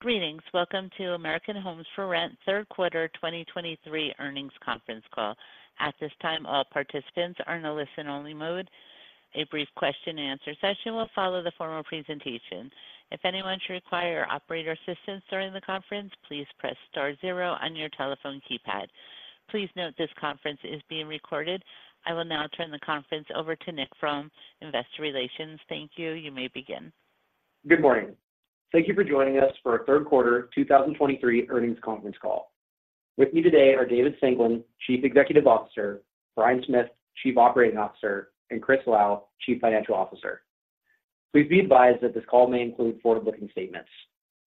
Greetings. Welcome to American Homes 4 Rent third quarter 2023 earnings conference call. At this time, all participants are in a listen-only mode. A brief question-and-answer session will follow the formal presentation. If anyone should require operator assistance during the conference, please press star zero on your telephone keypad. Please note this conference is being recorded. I will now turn the conference over to Nick from Investor Relations. Thank you. You may begin. Good morning. Thank you for joining us for our third quarter 2023 earnings conference call. With me today are David Singelyn, Chief Executive Officer; Bryan Smith, Chief Operating Officer; and Chris Lau, Chief Financial Officer. Please be advised that this call may include forward-looking statements.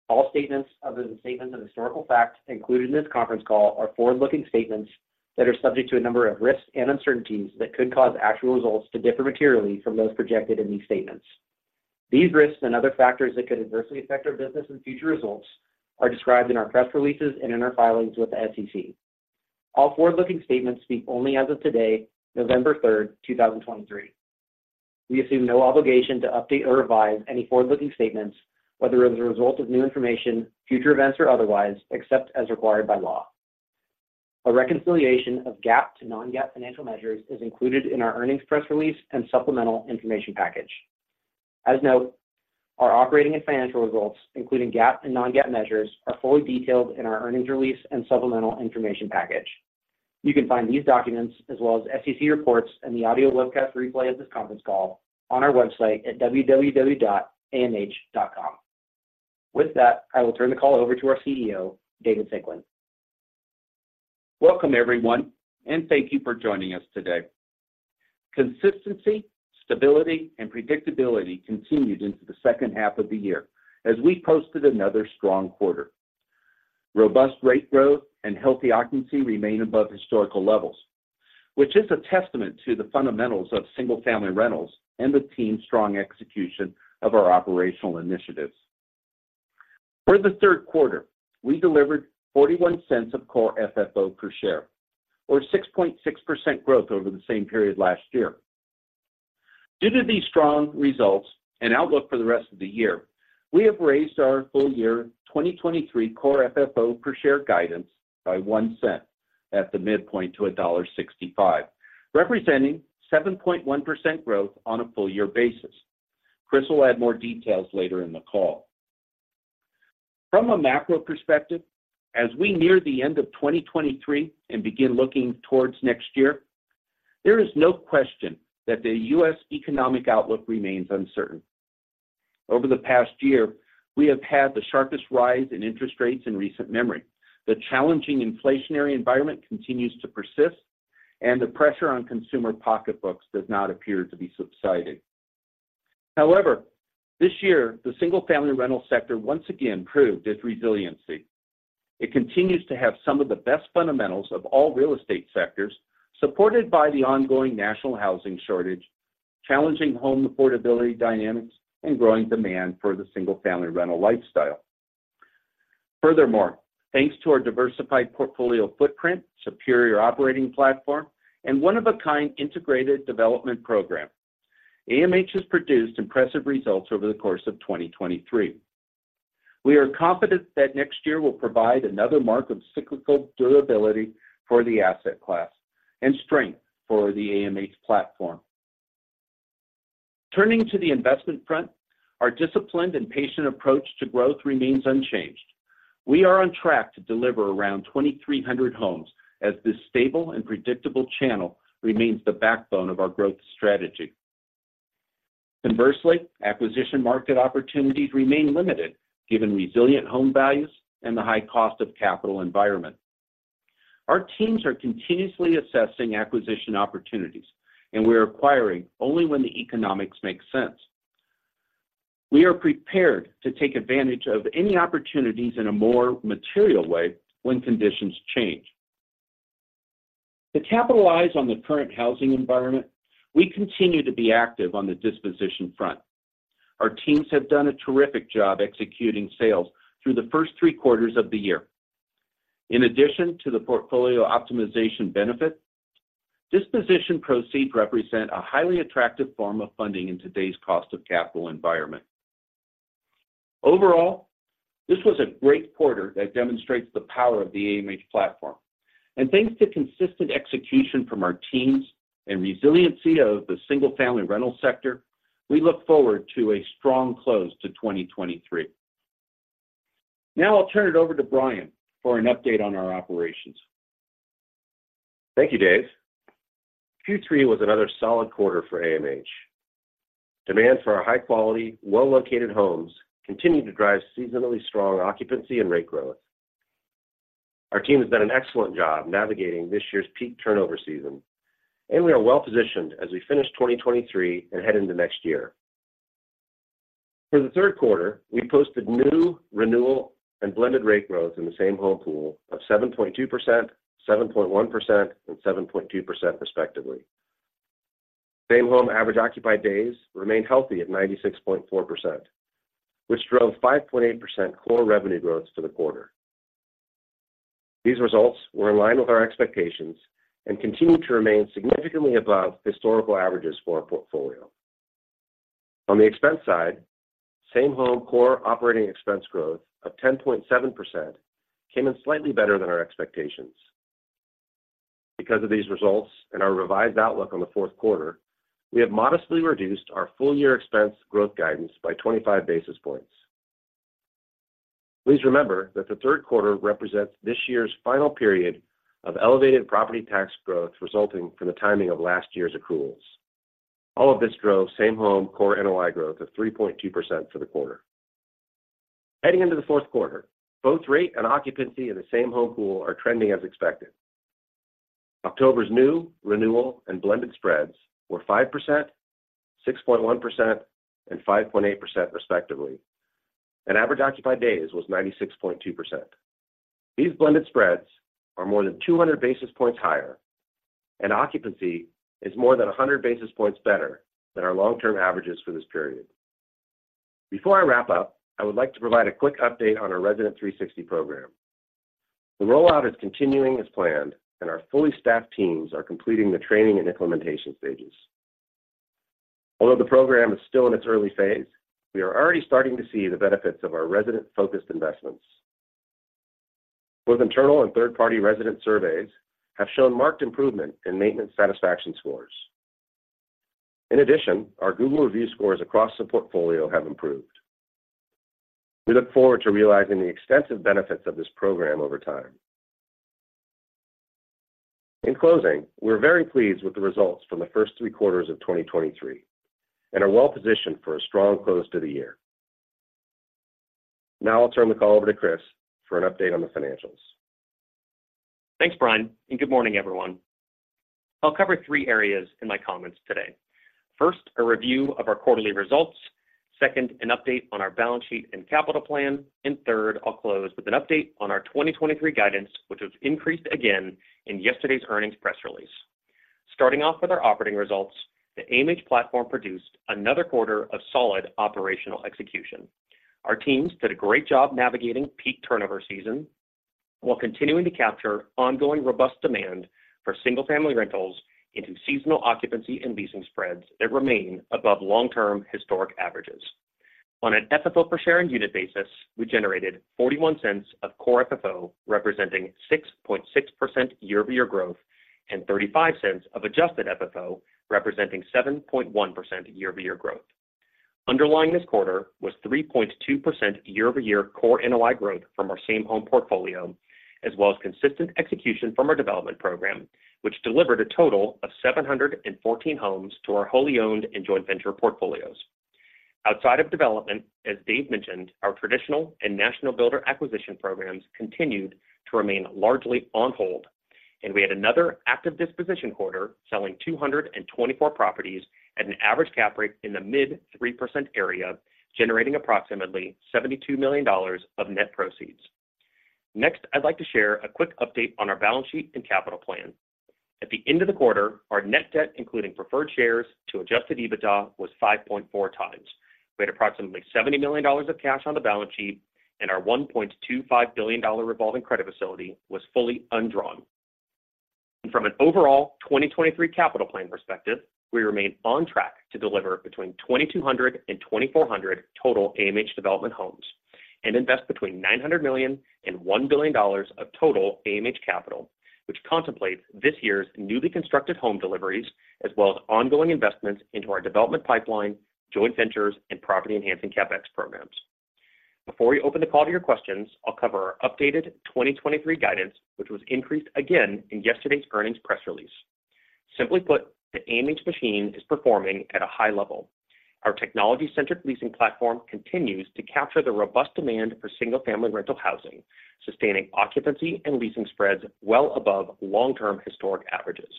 All statements other than statements of historical fact included in this conference call are forward-looking statements that are subject to a number of risks and uncertainties that could cause actual results to differ materially from those projected in these statements. These risks and other factors that could adversely affect our business and future results are described in our press releases and in our filings with the SEC. All forward-looking statements speak only as of today, November 3, 2023. We assume no obligation to update or revise any forward-looking statements, whether as a result of new information, future events, or otherwise, except as required by law. A reconciliation of GAAP to Non-GAAP financial measures is included in our earnings press re-lease and supplemental information package. As noted, our operating and financial results, including GAAP and Non-GAAP measures, are fully detailed in our earnings re-lease and supplemental information package. You can find these documents as well as SEC reports and the audio webcast replay of this conference call on our website at www.amh.com. With that, I will turn the call over to our CEO, David Singelyn. Welcome, everyone, and thank you for joining us today. Consistency, stability, and predictability continued into the second half of the year as we posted another strong quarter. Robust rate growth and healthy occupancy remain above historical levels, which is a testament to the fundamentals of single-family rentals and the team's strong execution of our operational initiatives. For the third quarter, we delivered $0.41 of Core FFO per share, or 6.6% growth over the same period last year. Due to these strong results and outlook for the rest of the year, we have raised our full year 2023 Core FFO per share guidance by $0.01 at the midpoint to $1.65, representing 7.1% growth on a full year basis. Chris will add more details later in the call. From a macro perspective, as we near the end of 2023 and begin looking towards next year, there is no question that the U.S. economic outlook remains uncertain. Over the past year, we have had the sharpest rise in interest rates in recent memory. The challenging inflationary environment continues to persist, and the pressure on consumer pocketbooks does not appear to be subsiding. However, this year, the single-family rental sector once again proved its resiliency. It continues to have some of the best fundamentals of all real estate sectors, supported by the ongoing national housing shortage, challenging home affordability dynamics, and growing demand for the single-family rental lifestyle. Furthermore, thanks to our diversified portfolio footprint, superior operating platform, and one-of-a-kind integrated development program, AMH has produced impressive results over the course of 2023. We are confident that next year will provide another mark of cyclical durability for the asset class and strength for the AMH platform. Turning to the investment front, our disciplined and patient approach to growth remains unchanged. We are on track to deliver around 2,300 homes, as this stable and predictable channel remains the backbone of our growth strategy. Conversely, acquisition market opportunities remain limited, given resilient home values and the high cost of capital environment. Our teams are continuously assessing acquisition opportunities, and we are acquiring only when the economics make sense. We are prepared to take advantage of any opportunities in a more material way when conditions change. To capitalize on the current housing environment, we continue to be active on the disposition front. Our Teams have done a terrific job executing sales through the first three quarters of the year. In addition to the portfolio optimization benefit, disposition proceeds represent a highly attractive form of funding in today's cost of capital environment. Overall, this was a great quarter that demonstrates the power of the AMH platform, and thanks to consistent execution from our teams and resiliency of the single-family rental sector, we look forward to a strong close to 2023. Now I'll turn it over to Bryan for an update on our operations. Thank you, David. Q3 was another solid quarter for AMH. Demand for our high-quality, well-located homes continued to drive seasonally strong occupancy and rate growth. Our team has done an excellent job navigating this year's peak turnover season, and we are well positioned as we finish 2023 and head into next year. For the third quarter, we posted new renewal and blended rate growth in the same-home pool of 7.2%, 7.1%, and 7.2% respectively. Same-home average occupied days remained healthy at 96.4%, which drove 5.8% core revenue growth for the quarter. These results were in line with our expectations and continue to remain significantly above historical averages for our portfolio. On the expense side, same-home core operating expense growth of 10.7% came in slightly better than our expectations. Because of these results and our revised outlook on the fourth quarter, we have modestly reduced our full year expense growth guidance by 25 basis points. Please remember that the third quarter represents this year's final period of elevated property tax growth, resulting from the timing of last year's accruals. All of this drove same-home Core NOI growth of 3.2% for the quarter. Heading into the fourth quarter, both rate and occupancy in the same-home pool are trending as expected. October's new, renewal, and blended spreads were 5%, 6.1%, and 5.8% respectively, and average occupied days was 96.2%. These blended spreads are more than 200 basis points higher, and occupancy is more than 100 basis points better than our long-term averages for this period. Before I wrap up, I would like to provide a quick update on our Resident360 program. The rollout is continuing as planned, and our fully staffed teams are completing the training and implementation stages. Although the program is still in its early phase, we are already starting to see the benefits of our resident-focused investments. Both internal and third-party resident surveys have shown marked improvement in maintenance satisfaction scores. In addition, our Google review scores across the portfolio have improved. We look forward to realizing the extensive benefits of this program over time. In closing, we're very pleased with the results from the first three quarters of 2023 and are well positioned for a strong close to the year. Now I'll turn the call over to Chris for an update on the financials. Thanks, Bryan, and good morning, everyone. I'll cover three areas in my comments today. First, a review of our quarterly results. Second, an update on our balance sheet and capital plan. And third, I'll close with an update on our 2023 guidance, which was increased again in yesterday's earnings press release. Starting off with our operating results, the AMH platform produced another quarter of solid operational execution. Our teams did a great job navigating peak turnover season while continuing to capture ongoing robust demand for single-family rentals into seasonal occupancy and leasing spreads that remain above long-term historic averages. On an FFO per share and unit basis, we generated $0.41 of core FFO, representing 6.6% year-over-year growth, and $0.35 of Adjusted FFO, representing 7.1% year-over-year growth. Underlying this quarter was 3.2% year-over-year core NOI growth from our same home portfolio, as well as consistent execution from our development program, which delivered a total of 714 homes to our wholly owned and joint venture portfolios. Outside of development, as David mentioned, our traditional and national builder acquisition programs continued to remain largely on hold, and we had another active disposition quarter, selling 224 properties at an average cap rate in the mid-3% area, generating approximately $72 million of net proceeds. Next, I'd like to share a quick update on our balance sheet and capital plan. At the end of the quarter, our net debt, including preferred shares to Adjusted EBITDA, was 5.4 times. We had approximately $70 million of cash on the balance sheet, and our $1.25 billion revolving credit facility was fully undrawn. From an overall 2023 Capital plan perspective, we remain on track to deliver between 2,200 and 2,400 total AMH Development homes and invest between $900 million and $1 billion of total AMH capital, which contemplates this year's newly constructed home deliveries, as well as ongoing investments into our development pipeline, joint ventures, and property-enhancing CapEx programs. Before we open the call to your questions, I'll cover our updated 2023 guidance, which was increased again in yesterday's earnings press release. Simply put, the AMH machine is performing at a high level. Our technology-centric leasing platform continues to capture the robust demand for single-family rental housing, sustaining occupancy and leasing spreads well above long-term historic averages.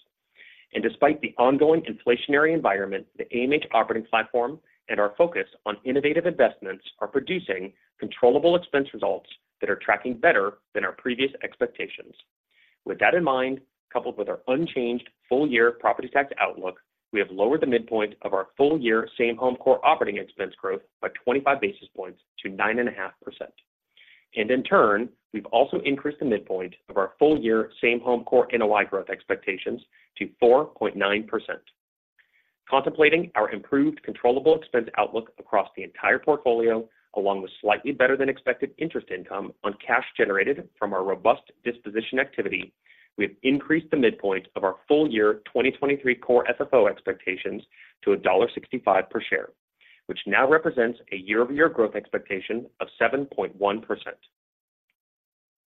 And despite the ongoing inflationary environment, the AMH operating platform and our focus on innovative investments are producing controllable expense results that are tracking better than our previous expectations. With that in mind, coupled with our unchanged full-year property tax outlook, we have lowered the midpoint of our full-year same home core operating expense growth by 25 basis points to 9.5%. And in turn, we've also increased the midpoint of our full-year same home core NOI growth expectations to 4.9%. Contemplating our improved controllable expense outlook across the entire portfolio, along with slightly better than expected interest income on cash generated from our robust disposition activity, we have increased the midpoint of our full-year 2023 Core FFO expectations to $1.65 per share, which now represents a year-over-year growth expectation of 7.1%.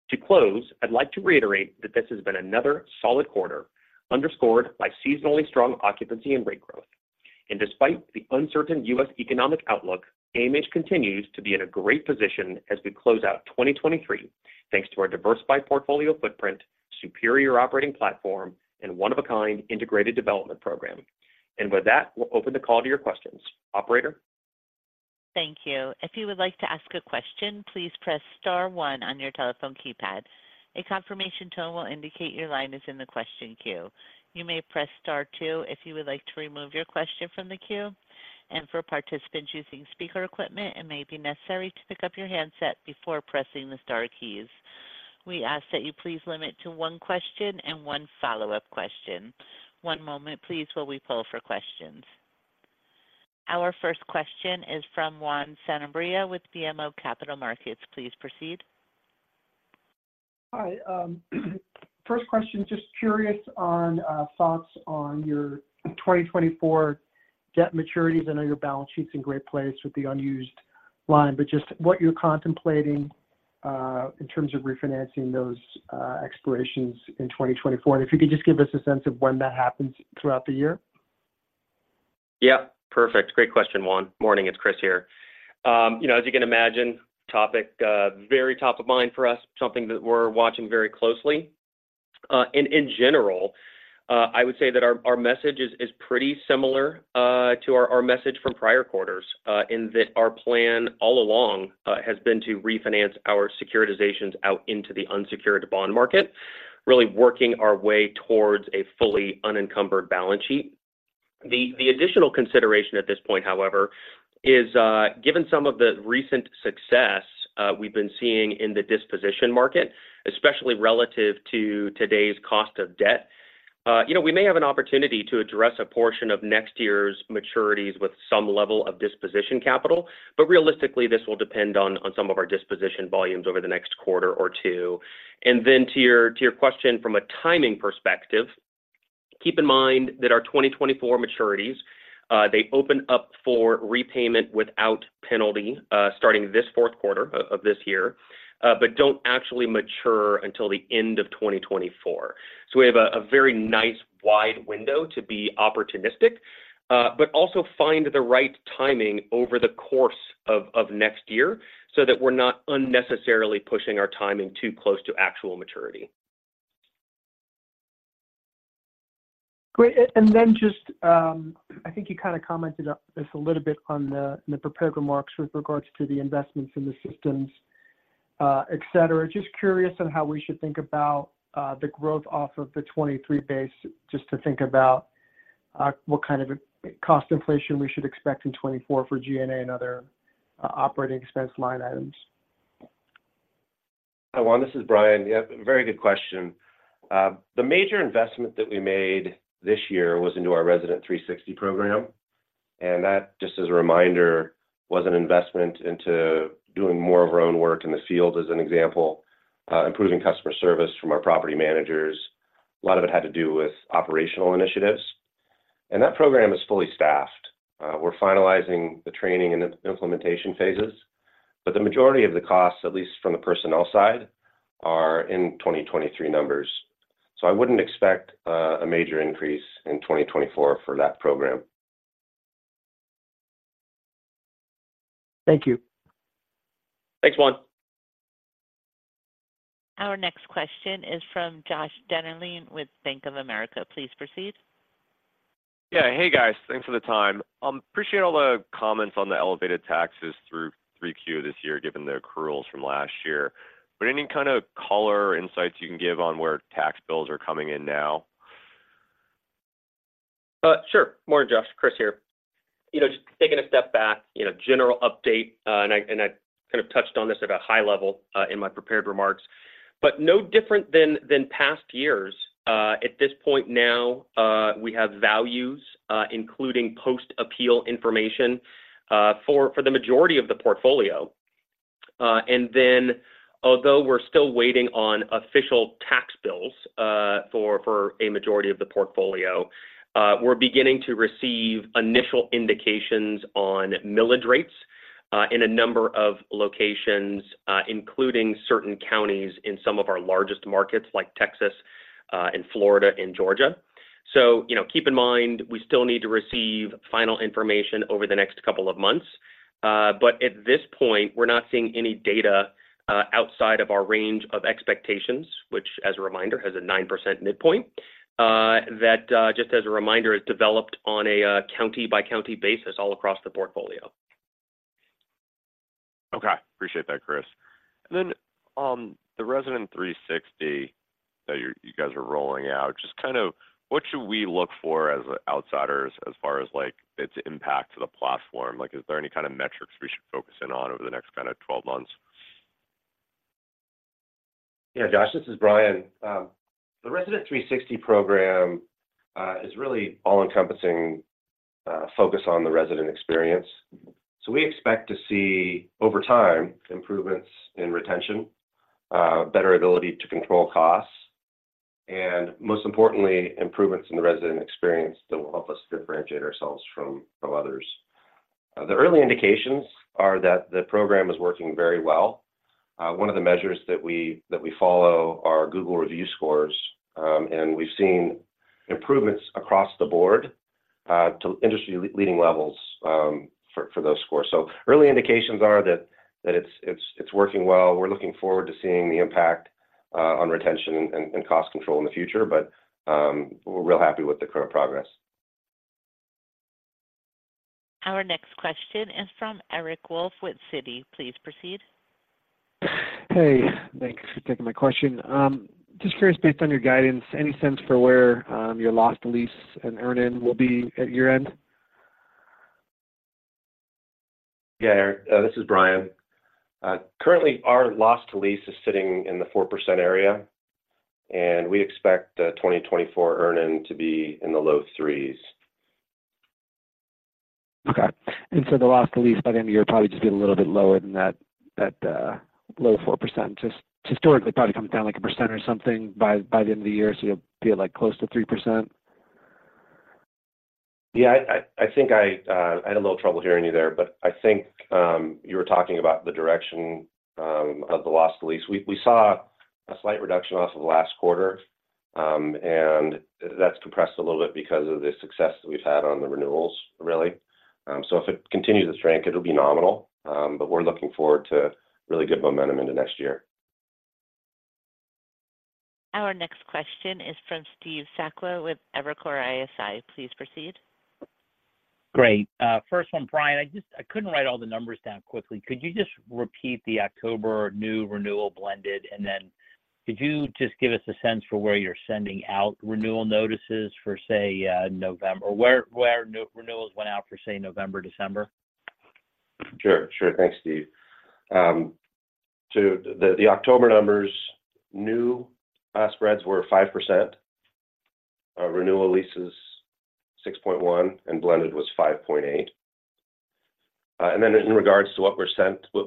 To close, I'd like to reiterate that this has been another solid quarter, underscored by seasonally strong occupancy and rate growth. Despite the uncertain U.S. economic outlook, AMH continues to be in a great position as we close out 2023, thanks to our diversified portfolio footprint, superior operating platform, and one-of-a-kind integrated development program. With that, we'll open the call to your questions. Operator? Thank you. If you would like to ask a question, please press star one on your telephone keypad. A confirmation tone will indicate your line is in the question queue. You may press star two if you would like to remove your question from the queue. For participants using speaker equipment, it may be necessary to pick up your handset before pressing the star keys. We ask that you please limit to one question and one follow-up question. One moment, please, while we poll for questions. Our first question is from Juan Sanabria with BMO Capital Markets. Please proceed. Hi, first question, just curious on thoughts on your 2024 debt maturities. I know your balance sheet's in great place with the unused line, but just what you're contemplating, in terms of refinancing those, expirations in 2024. And if you could just give us a sense of when that happens throughout the year? Yeah, perfect. Great question, Juan. Morning, it's Chris here. You know, as you can imagine, topic very top of mind for us, something that we're watching very closely. And in general, I would say that our message is pretty similar to our message from prior quarters, in that our plan all along has been to refinance our securitizations out into the unsecured bond market, really working our way towards a fully unencumbered balance sheet. The additional consideration at this point, however, is, given some of the recent success we've been seeing in the disposition market, especially relative to today's cost of debt, you know, we may have an opportunity to address a portion of next year's maturities with some level of disposition capital, but realistically, this will depend on some of our disposition volumes over the next quarter or two. And then to your question from a timing perspective, keep in mind that our 2024 maturities, they open up for repayment without penalty, starting this fourth quarter of this year, but don't actually mature until the end of 2024. So we have a very nice wide window to be opportunistic, but also find the right timing over the course of next year so that we're not unnecessarily pushing our timing too close to actual maturity. Great. And then just, I think you kind of commented on this a little bit in the prepared remarks with regards to the investments in the systems, et cetera. Just curious on how we should think about the growth off of the 2023 base, just to think about what kind of a cost inflation we should expect in 2024 for G&A and other operating expense line items. Hi, Juan, this is Bryan. Yep, very good question. The major investment that we made this year was into our Resident360 program, and that, just as a reminder, was an investment into doing more of our own work in the field, as an example, improving customer service from our property managers. A lot of it had to do with operational initiatives, and that program is fully staffed. We're finalizing the training and implementation phases, but the majority of the costs, at least from the personnel side, are in 2023 numbers. So I wouldn't expect a major increase in 2024 for that program. Thank you. Thanks, Juan. Our next question is from Josh Dennerlein with Bank of America. Please proceed. Yeah. Hey, guys. Thanks for the time. Appreciate all the comments on the elevated taxes through 3Q this year, given the accruals from last year. But any kind of color or insights you can give on where tax bills are coming in now? Sure. Morning, Josh. Chris here. You know, just taking a step back, you know, general update, and I kind of touched on this at a high level in my prepared remarks. But no different than past years, at this point now, we have values, including post-appeal information, for the majority of the portfolio. And then, although we're still waiting on official tax bills, for a majority of the portfolio, we're beginning to receive initial indications on millage rates in a number of locations, including certain counties in some of our largest markets, like Texas, and Florida, and Georgia. So, you know, keep in mind, we still need to receive final information over the next couple of months, but at this point, we're not seeing any data outside of our range of expectations, which, as a reminder, has a 9% midpoint. That, just as a reminder, is developed on a county-by-county basis all across the portfolio. Okay. Appreciate that, Chris. And then, the Residen360 that you, you guys are rolling out, just kind of what should we look for as outsiders as far as, like, its impact to the platform? Like, is there any kind of metrics we should focus in on over the next kind of 12 months? Yeah, Josh, this is Bryan. The Resident 360 program is really all-encompassing focus on the resident experience. So we expect to see, over time, improvements in retention, better ability to control costs, and most importantly, improvements in the resident experience that will help us differentiate ourselves from others. The early indications are that the program is working very well. One of the measures that we follow are Google review scores, and we've seen improvements across the board to industry leading levels for those scores. So early indications are that it's working well. We're looking forward to seeing the impact on retention and cost control in the future, but we're real happy with the current progress. Our next question is from Eric Wolfe with Citi. Please proceed. Hey, thanks for taking my question. Just curious, based on your guidance, any sense for where your loss to lease and earn-in will be at year-end? Yeah, Eric, this is Bryan. Currently, our Loss to Lease is sitting in the 4% area, and we expect the 2024 earnings to be in the low 3%s. Okay. And so the Loss to Lease by the end of the year, probably just get a little bit lower than that, low 4%. Just historically, probably come down like 1% or something by the end of the year, so you'll be, like, close to 3%? Yeah, I think I had a little trouble hearing you there, but I think you were talking about the direction of the Loss to Lease. We saw a slight reduction off of the last quarter, and that's compressed a little bit because of the success that we've had on the renewals, really. So if it continues its strength, it'll be nominal. But we're looking forward to really good momentum into next year. Our next question is from Steve Sakwa with Evercore ISI. Please proceed. Great. First one, Bryan, I just, I couldn't write all the numbers down quickly. Could you just repeat the October new renewal blended? And then could you just give us a sense for where you're sending out renewal notices for, say, November? Where new renewals went out for, say, November, December? Sure, sure. Thanks, Steve. So the October numbers, new spreads were 5%. Renewal leases, 6.1, and blended was 5.8. And then in regards to what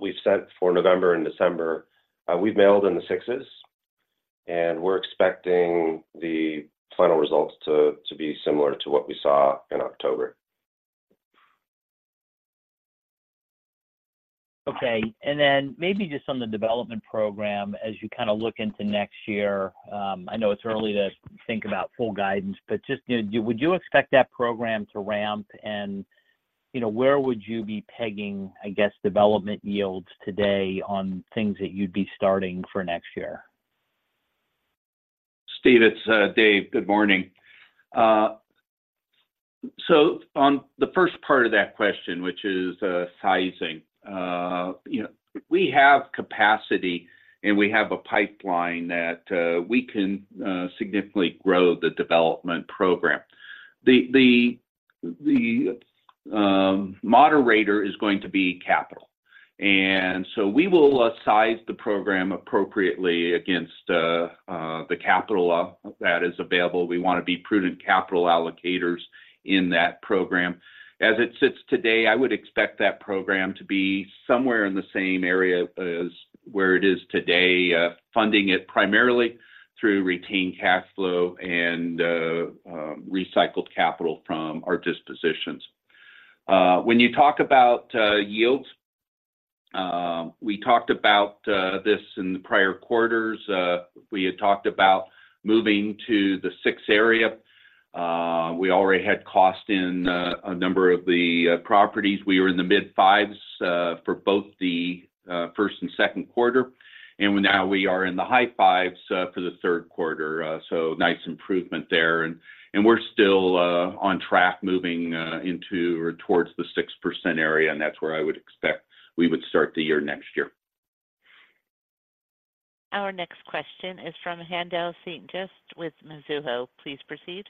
we've sent for November and December, we've mailed in the sixes, and we're expecting the final results to be similar to what we saw in October. Okay. And then maybe just on the development program, as you kind of look into next year, I know it's early to think about full guidance, but just, you know, would you expect that program to ramp? And, you know, where would you be pegging, I guess, development yields today on things that you'd be starting for next year? Steve, it's David. Good morning. So on the first part of that question, which is sizing, you know, we have capacity, and we have a pipeline that we can significantly grow the development program. The moderator is going to be capital, and so we will size the program appropriately against the capital that is available. We want to be prudent capital allocators in that program. As it sits today, I would expect that program to be somewhere in the same area as where it is today, funding it primarily through retained cash flow and recycled capital from our dispositions. When you talk about yields, we talked about this in the prior quarters. We had talked about moving to the six area. We already had cost in a number of the properties. We were in the mid-50s for both the first and second quarter, and now we are in the high 5s for the third quarter. So nice improvement there. We're still on track moving into or towards the 6% area, and that's where I would expect we would start the year next year. Our next question is from Haendel St-Juste with Mizuho. Please proceed.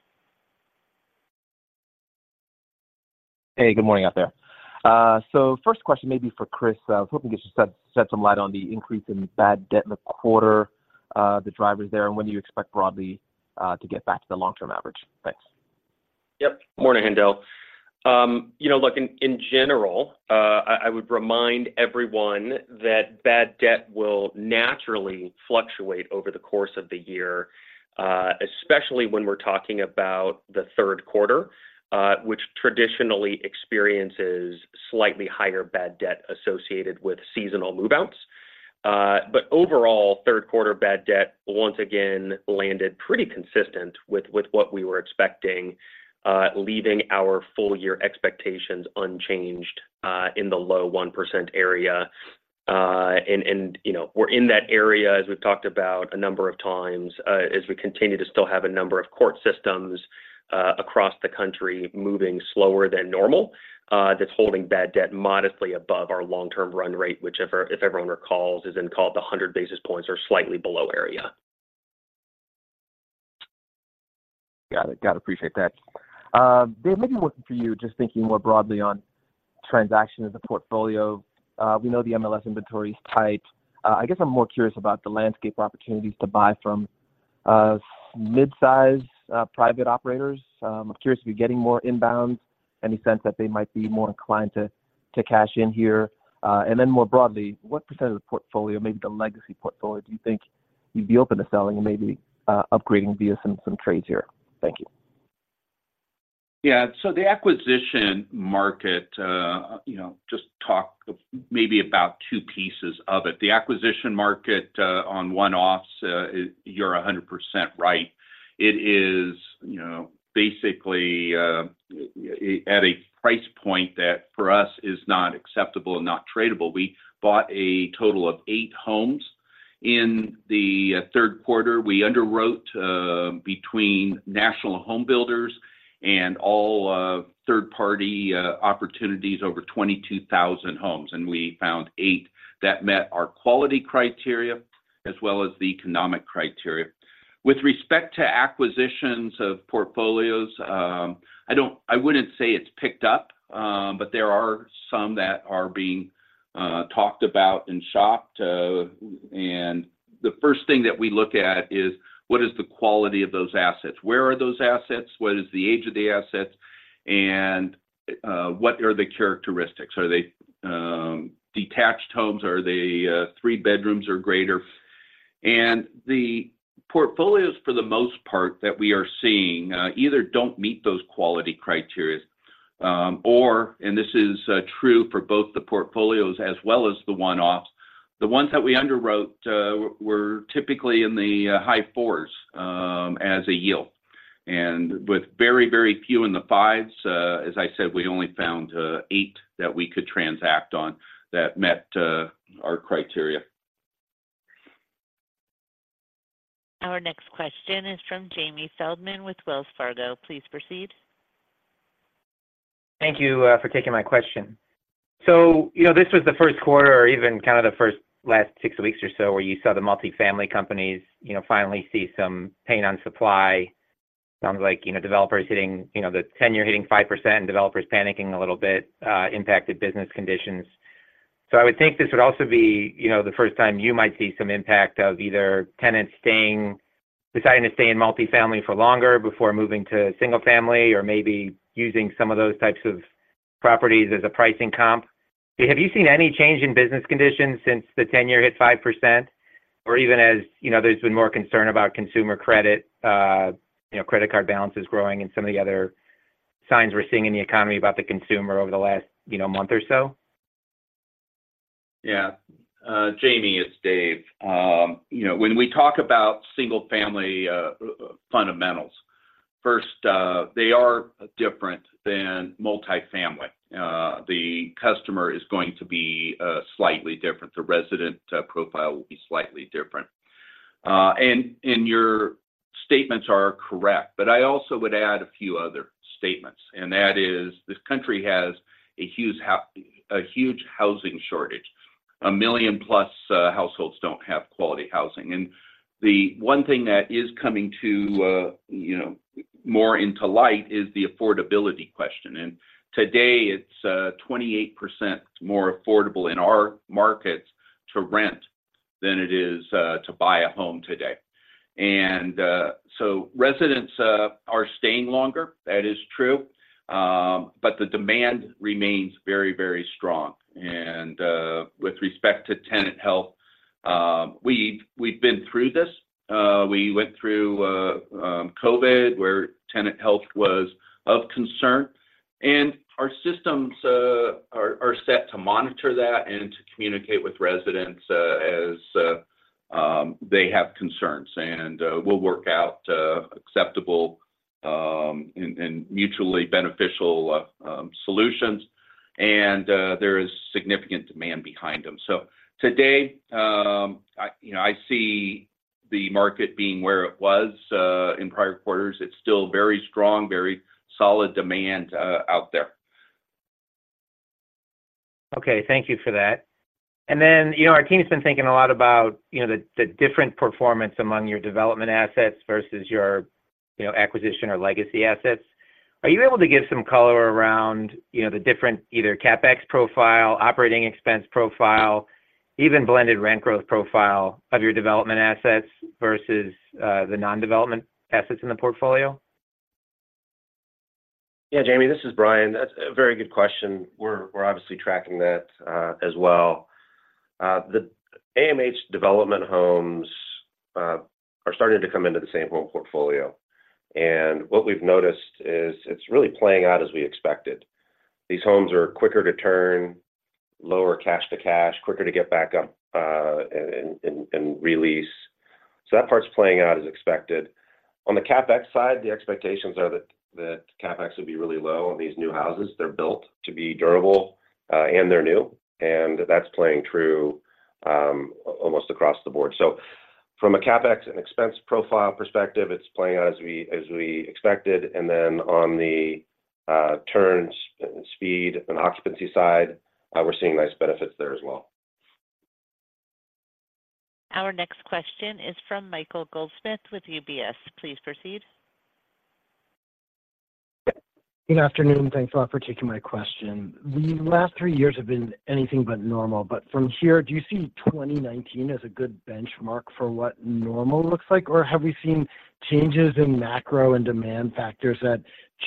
Hey, good morning out there. First question may be for Chris. I was hoping you could shed, shed some light on the increase in bad debt in the quarter, the drivers there, and when do you expect broadly to get back to the long-term average? Thanks. Yep. Morning, Haendel. You know, look, in general, I would remind everyone that bad debt will naturally fluctuate over the course of the year, especially when we're talking about the third quarter, which traditionally experiences slightly higher bad debt associated with seasonal move-outs. But overall, third quarter bad debt once again landed pretty consistent with what we were expecting, leaving our full year expectations unchanged, in the low 1% area. And, you know, we're in that area, as we've talked about a number of times, as we continue to still have a number of court systems across the country moving slower than normal, that's holding bad debt modestly above our long-term run rate, which if everyone recalls, is in the 100 basis points or slightly below area. Got it. Got it. Appreciate that. David, maybe one for you, just thinking more broadly on transaction as a portfolio. We know the MLS inventory is tight. I guess I'm more curious about the landscape opportunities to buy from mid-size private operators. I'm curious, are we getting more inbounds? Any sense that they might be more inclined to cash in here? And then more broadly, what percent of the portfolio, maybe the legacy portfolio, do you think you'd be open to selling and maybe upgrading via some trades here? Thank you. Yeah, so the acquisition market, you know, just talk maybe about two pieces of it. The acquisition market, on one-offs, you're 100% right. It is, you know, basically, at a price point that, for us, is not acceptable and not tradable. We bought a total of eight homes in the third quarter. We underwrote, between national home builders and all, third-party, opportunities over 22,000 homes, and we found eight that met our quality criteria as well as the economic criteria. With respect to acquisitions of portfolios, I wouldn't say it's picked up, but there are some that are being talked about and shopped. And the first thing that we look at is: what is the quality of those assets? Where are those assets? What is the age of the assets, and what are the characteristics? Are they detached homes? Are they 3 bedrooms or greater? And the portfolios, for the most part, that we are seeing either don't meet those quality criteria or, and this is true for both the portfolios as well as the one-offs. The ones that we underwrote were typically in the high 4s as a yield, and with very, very few in the 5s. As I said, we only found 8 that we could transact on that met our criteria. Our next question is from Jamie Feldman with Wells Fargo. Please proceed. Thank you for taking my question. So, you know, this was the first quarter or even kind of the first last six weeks or so, where you saw the multifamily companies, you know, finally see some pain on supply. Sounds like, you know, developers hitting, you know, the 10-year hitting 5%, and developers panicking a little bit, impacted business conditions. So I would think this would also be, you know, the first time you might see some impact of either tenants staying, deciding to stay in multifamily for longer before moving to single family or maybe using some of those types of properties as a pricing comp. Have you seen any change in business conditions since the 10-year hit 5%, or even as, you know, there's been more concern about consumer credit, you know, credit card balances growing and some of the other signs we're seeing in the economy about the consumer over the last, you know, month or so? Yeah. Jamie, it's David. You know, when we talk about single family fundamentals, first, they are different than multifamily. The customer is going to be slightly different. The resident profile will be slightly different. And your statements are correct, but I also would add a few other statements, and that is, this country has a huge housing shortage. A million-plus households don't have quality housing, and the one thing that is coming to, you know, more into light is the affordability question. And today, it's 28% more affordable in our markets to rent than it is to buy a home today. And so residents are staying longer, that is true, but the demand remains very, very strong. And with respect to tenant health, we've been through this. We went through COVID, where tenant health was of concern, and our systems are set to monitor that and to communicate with residents as they have concerns. And we'll work out acceptable and mutually beneficial solutions, and there is significant demand behind them. So today, you know, I see the market being where it was in prior quarters. It's still very strong, very solid demand out there. Okay. Thank you for that. And then, you know, our team's been thinking a lot about, you know, the different performance among your development assets versus your, you know, acquisition or legacy assets. Are you able to give some color around, you know, the different either CapEx profile, operating expense profile, even blended rent growth profile of your development assets versus the non-development assets in the portfolio? Yeah, Jamie, this is Bryan. That's a very good question. We're, we're obviously tracking that, as well. The AMH Development homes are starting to come into the same home portfolio, and what we've noticed is it's really playing out as we expected. These homes are quicker to turn, lower cash-to-cash, quicker to get back up, and re-lease. So that part's playing out as expected. On the CapEx side, the expectations are that CapEx would be really low on these new houses. They're built to be durable, and they're new, and that's playing true, almost across the board. So from a CapEx and expense profile perspective, it's playing out as we expected. And then on the turns and speed and occupancy side, we're seeing nice benefits there as well. Our next question is from Michael Goldsmith with UBS. Please proceed. Good afternoon. Thanks a lot for taking my question. The last 3 years have been anything but normal, but from here, do you see 2019 as a good benchmark for what normal looks like? Or have we seen changes in macro and demand factors that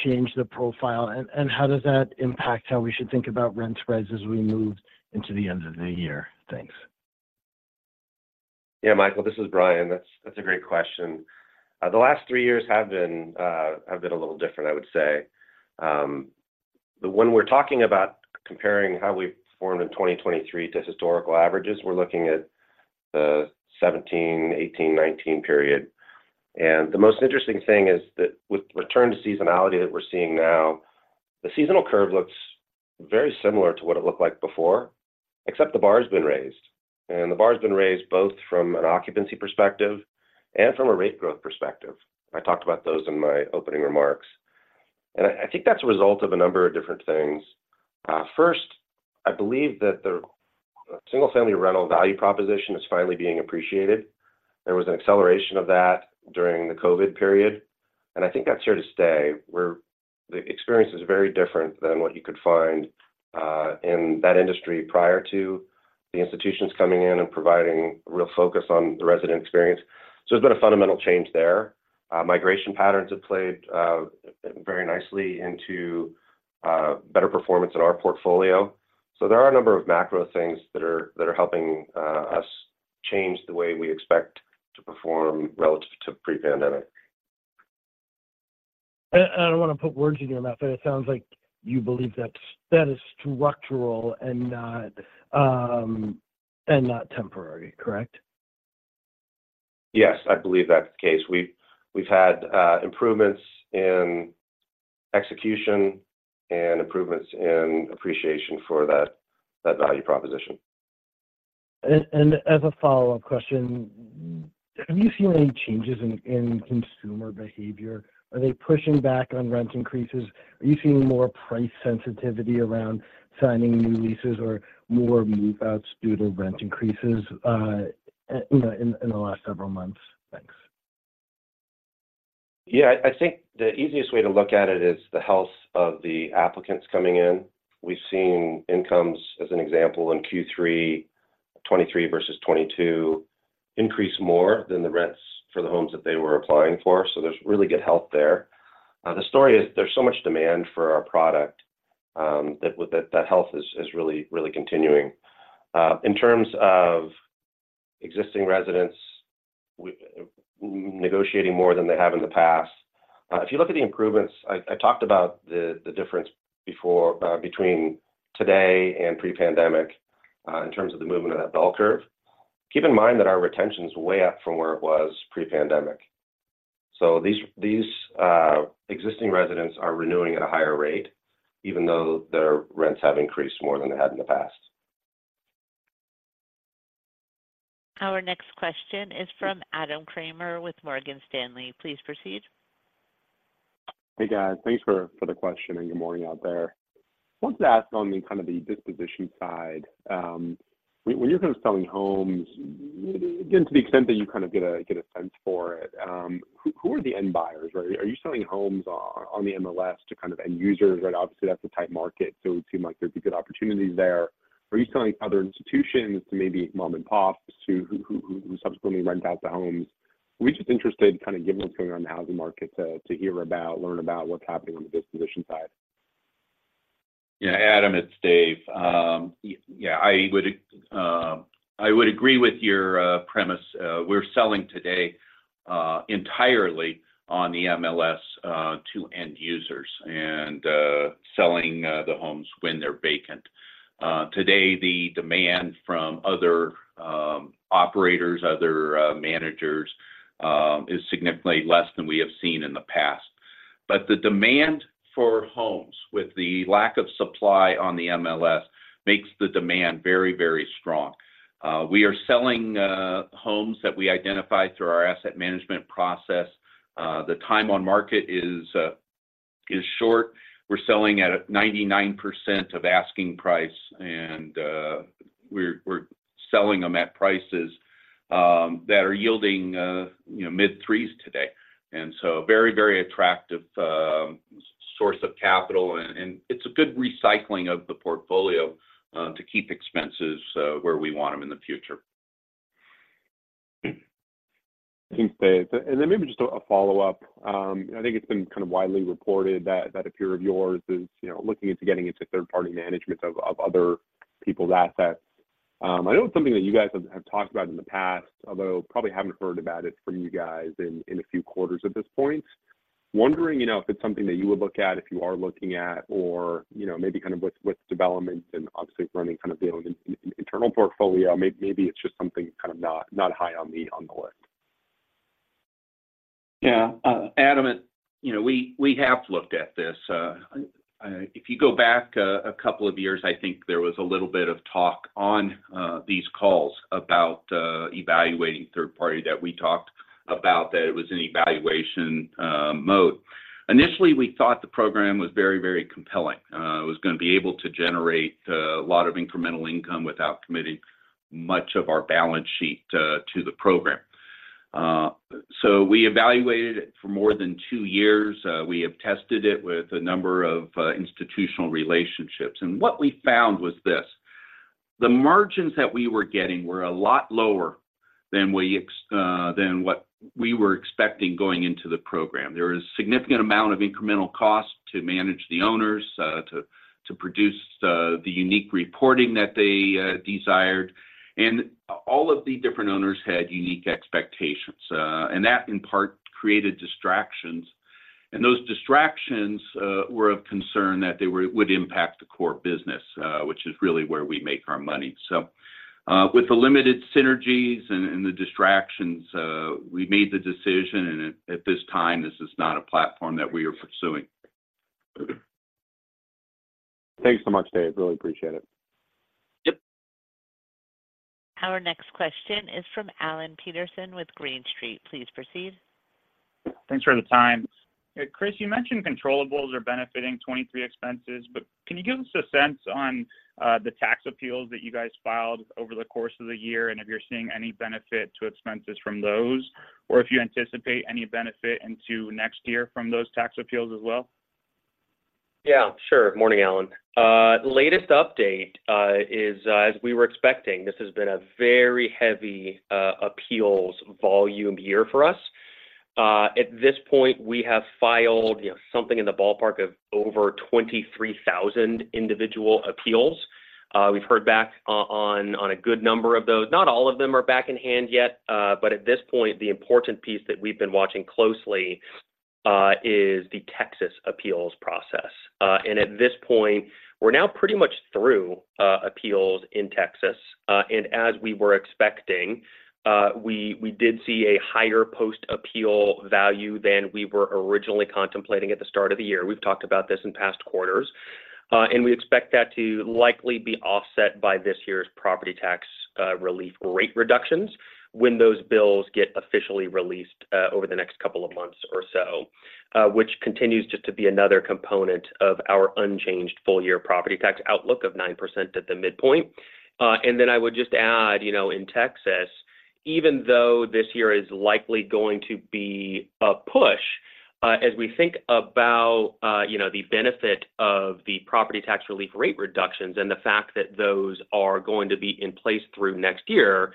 change the profile, and how does that impact how we should think about rent spreads as we move into the end of the year? Thanks. Yeah, Michael, this is Bryan. That's, that's a great question. The last three years have been, have been a little different, I would say. But when we're talking about comparing how we performed in 2023 to historical averages, we're looking at the 2017, 2018, 2019 period. And the most interesting thing is that with return to seasonality that we're seeing now, the seasonal curve looks very similar to what it looked like before, except the bar has been raised, and the bar has been raised both from an occupancy perspective and from a rate growth perspective. I talked about those in my opening remarks, and I, I think that's a result of a number of different things. First, I believe that the single-family rental value proposition is finally being appreciated. There was an acceleration of that during the COVID period, and I think that's here to stay, where the experience is very different than what you could find in that industry prior to the institutions coming in and providing real focus on the resident experience. So there's been a fundamental change there. Migration patterns have played very nicely into better performance in our portfolio. So there are a number of macro things that are helping us change the way we expect to perform relative to pre-pandemic. I don't want to put words in your mouth, but it sounds like you believe that that is structural and not, and not temporary, correct? Yes, I believe that's the case. We've had improvements in execution and improvements in appreciation for that value proposition. As a follow-up question, have you seen any changes in consumer behavior? Are they pushing back on rent increases? Are you seeing more price sensitivity around signing new leases or more move-outs due to rent increases, you know, in the last several months? Thanks. Yeah, I think the easiest way to look at it is the health of the applicants coming in. We've seen incomes, as an example, in Q3 2023 versus 2022, increase more than the rents for the homes that they were applying for, so there's really good health there. The story is there's so much demand for our product, that that health is really, really continuing. In terms of existing residents, we're negotiating more than they have in the past. If you look at the improvements, I talked about the difference before, between today and pre-pandemic, in terms of the movement of that bell curve. Keep in mind that our retention is way up from where it was pre-pandemic. These existing residents are renewing at a higher rate, even though their rents have increased more than they had in the past. Our next question is from Adam Kramer with Morgan Stanley. Please proceed. Hey, guys. Thanks for the question, and good morning out there. Wanted to ask on the disposition side, when you're kind of selling homes, again, to the extent that you kind of get a sense for it, who are the end buyers, right? Are you selling homes on the MLS to kind of end users, right? Obviously, that's a tight market, so it would seem like there'd be good opportunities there. Are you selling to other institutions or to maybe mom and pops who subsequently rent out the homes? We're just interested, kind of given what's going on in the housing market, to hear about, learn about what's happening on the disposition side. Yeah, Adam, it's David. Yeah, I would agree with your premise. We're selling today entirely on the MLS to end users and selling the homes when they're vacant. Today, the demand from other operators, other managers, is significantly less than we have seen in the past. But the demand for homes with the lack of supply on the MLS makes the demand very, very strong. We are selling homes that we identify through our asset management process. The time on market is short. We're selling at 99% of asking price, and we're selling them at prices that are yielding, you know, mid threes today. And so very, very attractive source of capital, and it's a good recycling of the portfolio to keep expenses where we want them in the future. Thanks, David. And then maybe just a follow-up. I think it's been kind of widely reported that a peer of yours is, you know, looking into getting into third-party management of other people's assets. I know it's something that you guys have talked about in the past, although probably haven't heard about it from you guys in a few quarters at this point. Wondering, you know, if it's something that you would look at, if you are looking at, or, you know, maybe kind of with development and obviously running kind of the own internal portfolio, maybe it's just something kind of not high on the list. Yeah, Adam, you know, we have looked at this. If you go back a couple of years, I think there was a little bit of talk on these calls about evaluating third party that we talked about that it was in evaluation mode. Initially, we thought the program was very, very compelling. It was going to be able to generate a lot of incremental income without committing much of our balance sheet to the program. So we evaluated it for more than two years. We have tested it with a number of institutional relationships, and what we found was this: the margins that we were getting were a lot lower than what we were expecting going into the program. There was significant amount of incremental cost to manage the owners, to produce the unique reporting that they desired, and all of the different owners had unique expectations. And that, in part, created distractions, and those distractions were of concern that they would impact the core business, which is really where we make our money. So, with the limited synergies and the distractions, we made the decision, and at this time, this is not a platform that we are pursuing. Thanks so much, David. Really appreciate it. Yep. Our next question is from Alan Peterson with Green Street. Please proceed. Thanks for the time. Chris, you mentioned controllables are benefiting 2023 expenses, but can you give us a sense on the tax appeals that you guys filed over the course of the year, and if you're seeing any benefit to expenses from those, or if you anticipate any benefit into next year from those tax appeals as well? Yeah, sure. Morning, Alan. Latest update is, as we were expecting, this has been a very heavy appeals volume year for us. At this point, we have filed, you know, something in the ballpark of over 23,000 individual appeals. We've heard back on a good number of those. Not all of them are back in hand yet, but at this point, the important piece that we've been watching closely is the Texas appeals process. And at this point, we're now pretty much through appeals in Texas. And as we were expecting, we did see a higher post-appeal value than we were originally contemplating at the start of the year. We've talked about this in past quarters. And we expect that to likely be offset by this year's property tax relief rate reductions when those bills get officially released over the next couple of months or so. Which continues just to be another component of our unchanged full-year property tax outlook of 9% at the midpoint. And then I would just add, you know, in Texas, even though this year is likely going to be a push, as we think about, you know, the benefit of the property tax relief rate reductions and the fact that those are going to be in place through next year,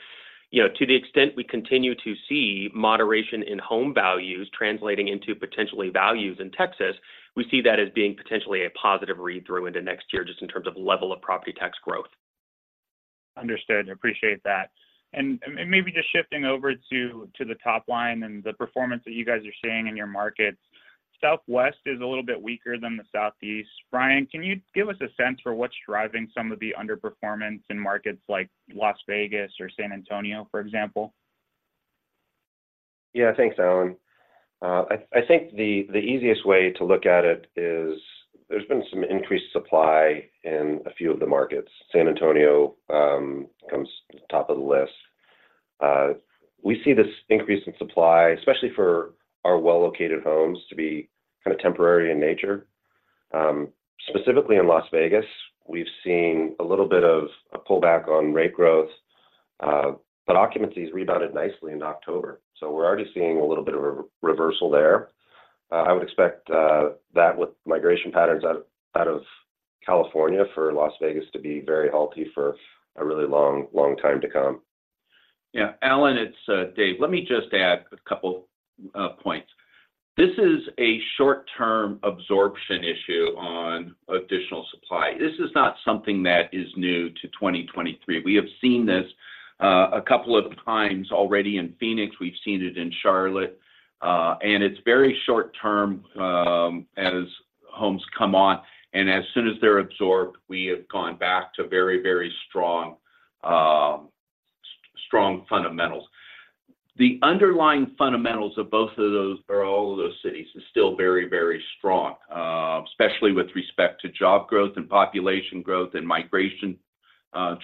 you know, to the extent we continue to see moderation in home values translating into potentially values in Texas, we see that as being potentially a positive read-through into next year, just in terms of level of property tax growth. Understood. Appreciate that. And maybe just shifting over to the top line and the performance that you guys are seeing in your markets. Southwest is a little bit weaker than the Southeast. Bryan, can you give us a sense for what's driving some of the underperformance in markets like Las Vegas or San Antonio, for example? Yeah. Thanks, Alan. I think the easiest way to look at it is there's been some increased supply in a few of the markets. San Antonio comes top of the list. We see this increase in supply, especially for our well-located homes, to be kind of temporary in nature. Specifically in Las Vegas, we've seen a little bit of a pullback on rate growth, but occupancies rebounded nicely in October, so we're already seeing a little bit of a reversal there. I would expect that with migration patterns out of California for Las Vegas to be very healthy for a really long time to come. Yeah, Alan, it's David. Let me just add a couple of points. This is a short-term absorption issue on additional supply. This is not something that is new to 2023. We have seen this, a couple of times already in Phoenix. We've seen it in Charlotte. And it's very short term, as homes come on, and as soon as they're absorbed, we have gone back to very, very strong, strong fundamentals. The underlying fundamentals of both of those or all of those cities is still very, very strong, especially with respect to job growth and population growth and migration,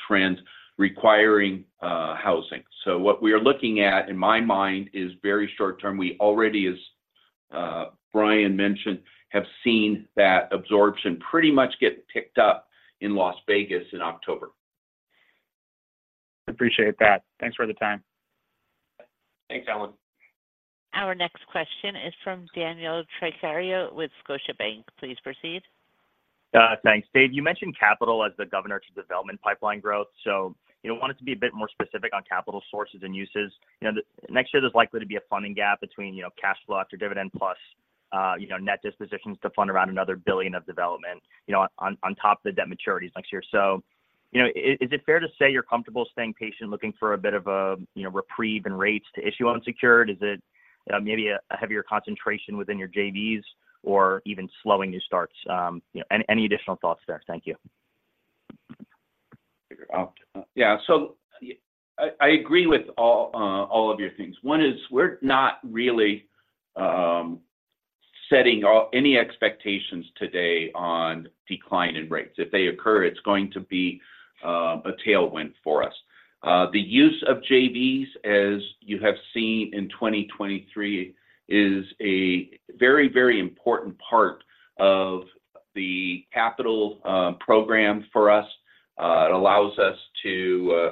trends requiring, housing. So what we are looking at, in my mind, is very short term. We already, as Bryan mentioned, have seen that absorption pretty much get picked up in Las Vegas in October. Appreciate that. Thanks for the time. Thanks, Alan. Our next question is from Daniel Tricarico with Scotiabank. Please proceed. Thanks. David, you mentioned capital as the governor to development pipeline growth, so, you know, wanted to be a bit more specific on capital sources and uses. You know, next year, there's likely to be a funding gap between, you know, cash flow after dividend plus, you know, net dispositions to fund around another $1 billion of development, you know, on, on top of the debt maturities next year. So, you know, is it fair to say you're comfortable staying patient, looking for a bit of a, you know, reprieve in rates to issue unsecured? Is it, maybe a, a heavier concentration within your JVs or even slowing your starts? You know, any additional thoughts there? Thank you. Yeah. So I, I agree with all, all of your things. One is we're not really, setting off any expectations today on decline in rates. If they occur, it's going to be, a tailwind for us. The use of JVs, as you have seen in 2023, is a very, very important part of the capital, program for us. It allows us to,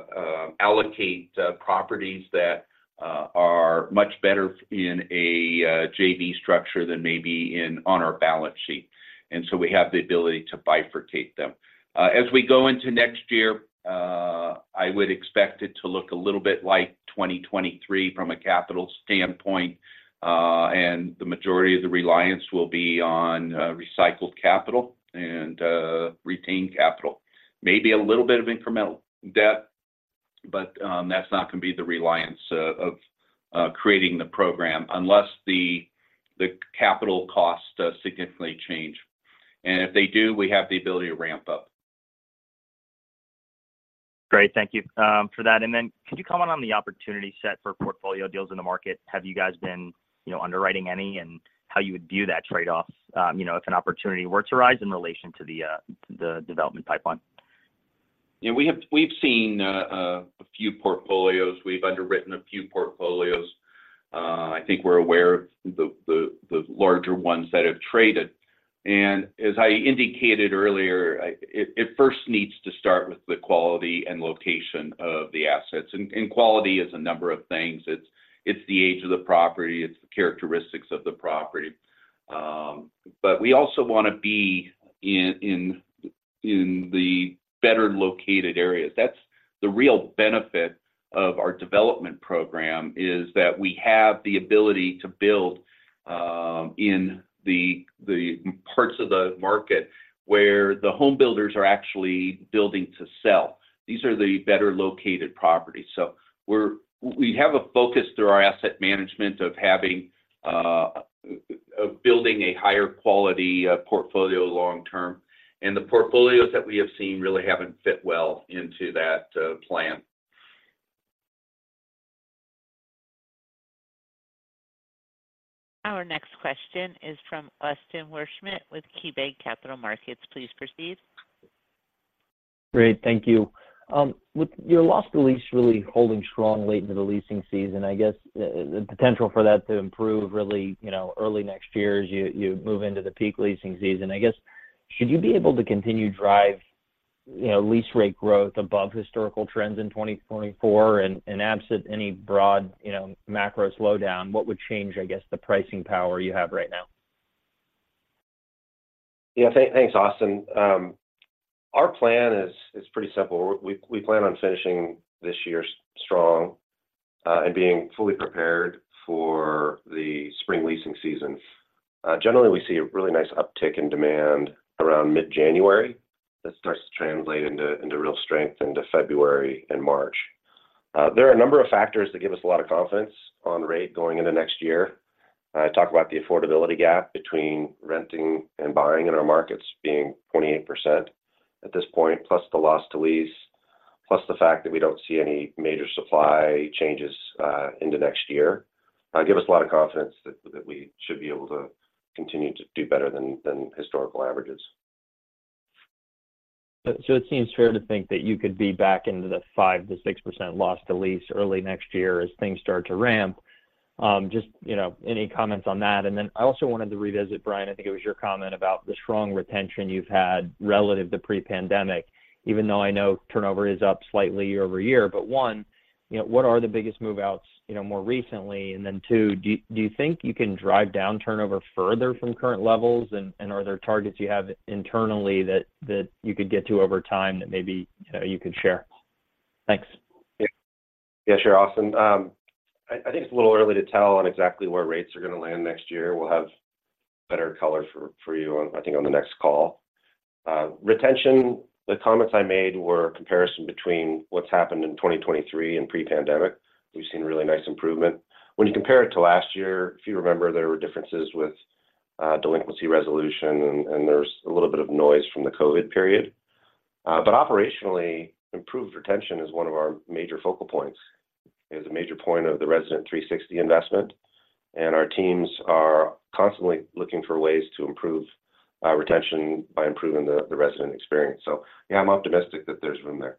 allocate, properties that, are much better in a, JV structure than maybe in on our balance sheet, and so we have the ability to bifurcate them. As we go into next year, I would expect it to look a little bit like 2023 from a capital standpoint, and the majority of the reliance will be on, recycled capital and, retained capital. Maybe a little bit of incremental debt, but that's not going to be the reliance of creating the program unless the capital costs significantly change. If they do, we have the ability to ramp up. Great. Thank you for that. Then could you comment on the opportunity set for portfolio deals in the market? Have you guys been, you know, underwriting any, and how you would view that trade-off, you know, if an opportunity were to arise in relation to the development pipeline? Yeah, we've seen a few portfolios. We've underwritten a few portfolios. I think we're aware of the larger ones that have traded. And as I indicated earlier, it first needs to start with the quality and location of the assets. And quality is a number of things. It's the age of the property, it's the characteristics of the property. But we also want to be in the better-located areas. That's the real benefit of our development program, is that we have the ability to build in the parts of the market where the home builders are actually building to sell. These are the better-located properties. We have a focus through our asset management of building a higher quality portfolio long-term, and the portfolios that we have seen really haven't fit well into that plan. Our next question is from Austin Wurschmidt with KeyBanc Capital Markets. Please proceed. Great. Thank you. With your Loss to Lease really holding strong late into the leasing season, I guess, the potential for that to improve really, you know, early next year as you, you move into the peak leasing season. I guess, should you be able to continue to drive, you know, lease rate growth above historical trends in 2024? And, and absent any broad, you know, macro slowdown, what would change, I guess, the pricing power you have right now? Yeah, thanks, Austin. Our plan is pretty simple. We plan on finishing this year strong and being fully prepared for the spring leasing season. Generally, we see a really nice uptick in demand around mid-January that starts to translate into real strength into February and March. There are a number of factors that give us a lot of confidence on rate going into next year. I talk about the affordability gap between renting and buying in our markets being 28% at this point, plus the loss to lease, plus the fact that we don't see any major supply changes into next year give us a lot of confidence that we should be able to continue to do better than historical averages. So it seems fair to think that you could be back into the 5%-6% Loss to Lease early next year as things start to ramp. Just, you know, any comments on that? And then I also wanted to revisit, Bryan, I think it was your comment about the strong retention you've had relative to pre-pandemic, even though I know turnover is up slightly year-over-year. But one, you know, what are the biggest move-outs, you know, more recently? And then two, do you think you can drive down turnover further from current levels? And are there targets you have internally that you could get to over time that maybe, you know, you could share? Thanks. Yeah. Yeah, sure, Austin. I think it's a little early to tell on exactly where rates are going to land next year. We'll have better color for you on, I think, on the next call. Retention, the comments I made were a comparison between what's happened in 2023 and pre-pandemic. We've seen a really nice improvement. When you compare it to last year, if you remember, there were differences with delinquency resolution, and there's a little bit of noise from the COVID period. But operationally, improved retention is one of our major focal points. It is a major point of the Resident 360 investment, and our teams are constantly looking for ways to improve retention by improving the resident experience. So yeah, I'm optimistic that there's room there.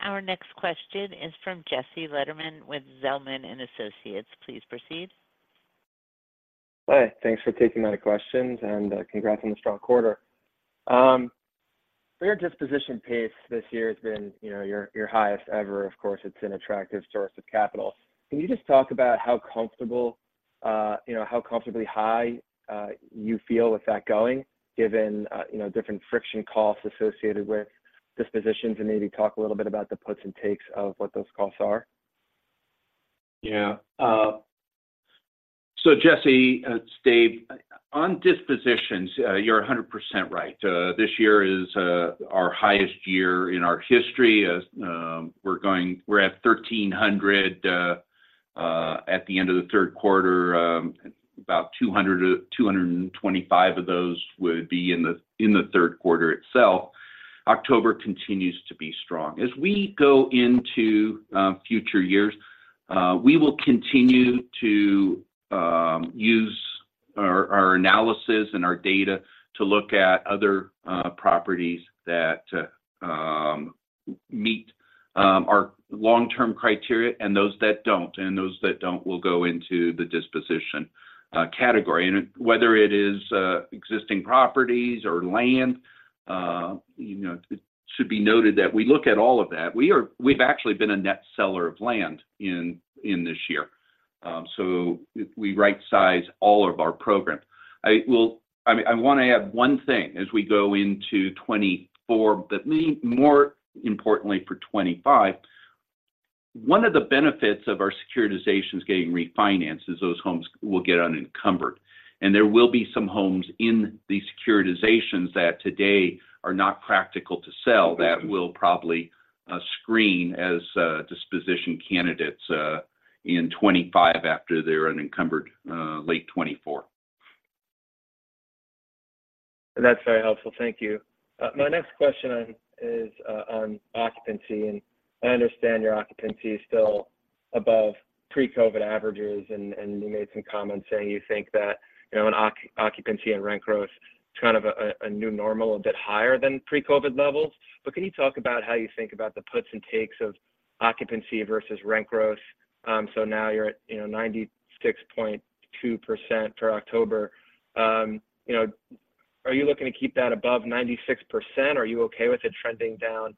Our next question is from Jesse Lederman with Zelman & Associates. Please proceed. Hi, thanks for taking my questions, and congrats on the strong quarter. Your disposition pace this year has been, you know, your highest ever. Of course, it's an attractive source of capital. Can you just talk about how comfortable, you know, how comfortably high you feel with that going, given, you know, different friction costs associated with dispositions? And maybe talk a little bit about the puts and takes of what those costs are. Yeah. So Jesse, Steve, on dispositions, you're 100% right. This year is our highest year in our history. We're at 1,300 at the end of the third quarter. About 200-225 of those would be in the third quarter itself. October continues to be strong. As we go into future years, we will continue to use our analysis and our data to look at other properties that meet our long-term criteria and those that don't, and those that don't will go into the disposition category. And whether it is existing properties or land, you know, it should be noted that we look at all of that. We are—we've actually been a net seller of land in this year. So we right-size all of our programs. I will... I want to add one thing as we go into 2024, but maybe more importantly, for 2025. One of the benefits of our securitizations getting refinanced is those homes will get unencumbered, and there will be some homes in these securitizations that today are not practical to sell, that we'll probably screen as disposition candidates in 2025 after they're unencumbered, late 2024. That's very helpful. Thank you. My next question is on occupancy, and I understand your occupancy is still- Above pre-COVID averages, and you made some comments saying you think that, you know, occupancy and rent growth is kind of a new normal, a bit higher than pre-COVID levels. But can you talk about how you think about the puts and takes of occupancy versus rent growth? So now you're at, you know, 96.2% for October. You know, are you looking to keep that above 96%? Are you okay with it trending down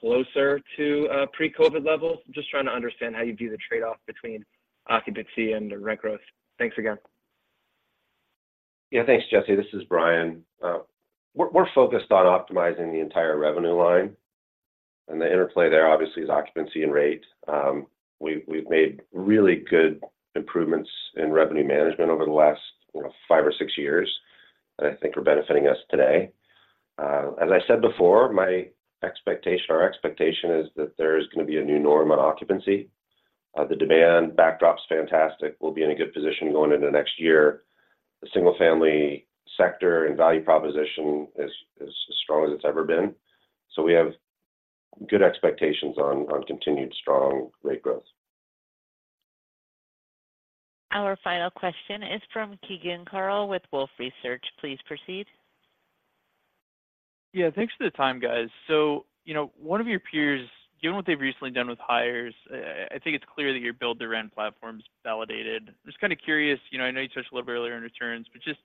closer to pre-COVID levels? Just trying to understand how you view the trade-off between occupancy and rent growth. Thanks again. Yeah, thanks, Jesse. This is Bryan. We're, we're focused on optimizing the entire revenue line, and the interplay there, obviously, is occupancy and rate. We've, we've made really good improvements in revenue management over the last, you know, 5 or 6 years, that I think are benefiting us today. As I said before, my expectation or our expectation is that there is gonna be a new norm on occupancy. The demand backdrop's fantastic. We'll be in a good position going into next year. The single-family sector and value proposition is, is as strong as it's ever been, so we have good expectations on, on continued strong rate growth. Our final question is from Keegan Carl with Wolfe Research. Please proceed. Yeah, thanks for the time, guys. So, you know, one of your peers, given what they've recently done with hires, I think it's clear that your Build-to-Rent platform is validated. Just kind of curious, you know, I know you touched a little earlier on returns, but just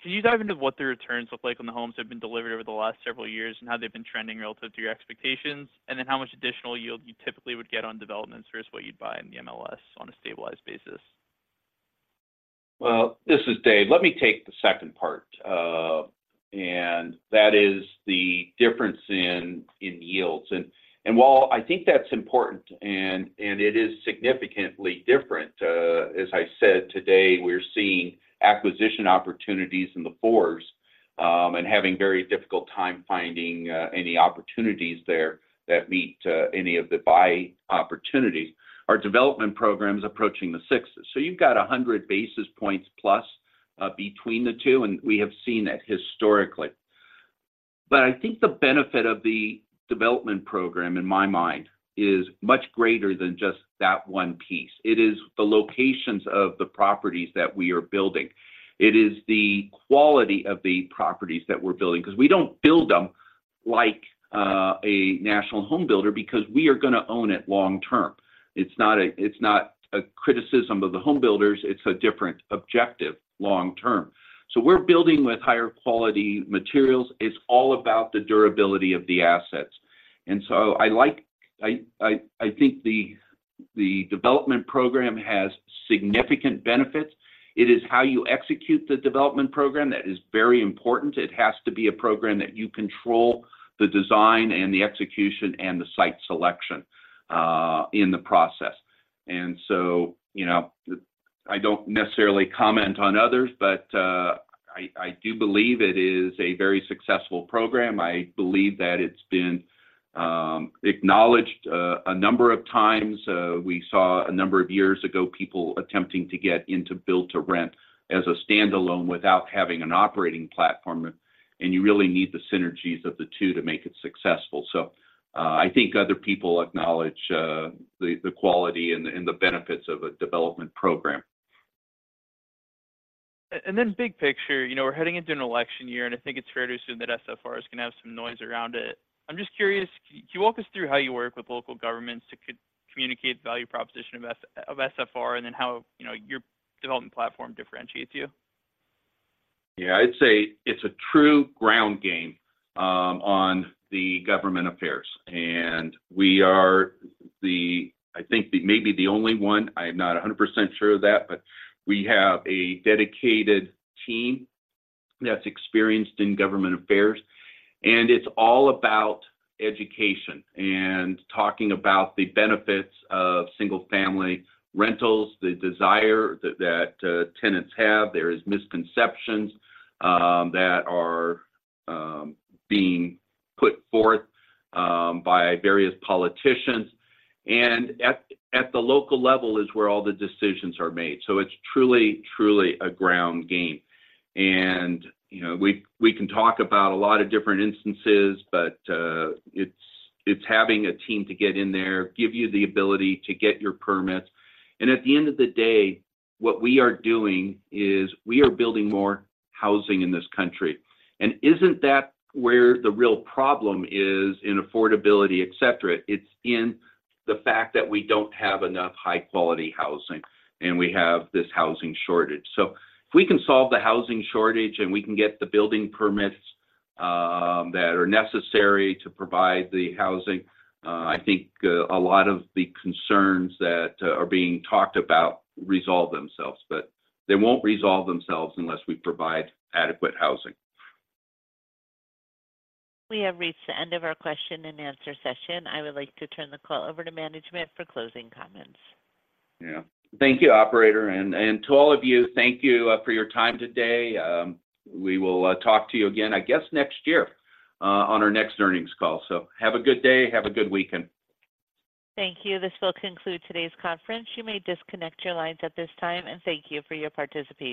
can you dive into what the returns look like on the homes that have been delivered over the last several years and how they've been trending relative to your expectations? And then how much additional yield you typically would get on developments versus what you'd buy in the MLS on a stabilized basis? Well, this is David. Let me take the second part, and that is the difference in yields. And, and while I think that's important, and, and it is significantly different, as I said today, we're seeing acquisition opportunities in the 4s, and having very difficult time finding, any opportunities there that meet, any of the buy opportunities. Our development program is approaching the 6s. So you've got 100 basis points plus, between the two, and we have seen that historically. But I think the benefit of the development program, in my mind, is much greater than just that one piece. It is the locations of the properties that we are building. It is the quality of the properties that we're building, because we don't build them like, a national home builder, because we are gonna own it long term. It's not a criticism of the home builders; it's a different objective long term. So we're building with higher quality materials. It's all about the durability of the assets. And so I think the development program has significant benefits. It is how you execute the development program that is very important. It has to be a program that you control the design and the execution and the site selection in the process. And so, you know, I don't necessarily comment on others, but I do believe it is a very successful program. I believe that it's been acknowledged a number of times. We saw a number of years ago, people attempting to get into build-to-rent as a standalone without having an operating platform, and you really need the synergies of the two to make it successful. I think other people acknowledge the quality and the benefits of a development program. And then big picture, you know, we're heading into an election year, and I think it's fair to assume that SFR is gonna have some noise around it. I'm just curious, can you walk us through how you work with local governments to communicate the value proposition of SFR, and then how, you know, your development platform differentiates you? Yeah, I'd say it's a true ground game on the government affairs, and we are the... I think maybe the only one. I am not 100% sure of that, but we have a dedicated team that's experienced in government affairs, and it's all about education and talking about the benefits of single-family rentals, the desire tenants have. There are misconceptions that are being put forth by various politicians, and at the local level is where all the decisions are made. So it's truly, truly a ground game. And, you know, we can talk about a lot of different instances, but it's having a team to get in there, give you the ability to get your permits. And at the end of the day, what we are doing is we are building more housing in this country. Isn't that where the real problem is in affordability, et cetera? It's in the fact that we don't have enough high-quality housing, and we have this housing shortage. If we can solve the housing shortage, and we can get the building permits that are necessary to provide the housing, I think a lot of the concerns that are being talked about resolve themselves, but they won't resolve themselves unless we provide adequate housing. We have reached the end of our question-and-answer session. I would like to turn the call over to management for closing comments. Yeah. Thank you, Operator. And to all of you, thank you for your time today. We will talk to you again, I guess, next year on our next earnings call. So have a good day. Have a good weekend. Thank you. This will conclude today's conference. You may disconnect your lines at this time, and thank you for your participation.